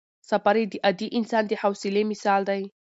سفر یې د عادي انسان د حوصلې مثال دی.